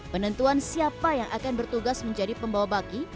penentuan siapa yang akan bertugas menjadi pembawa baki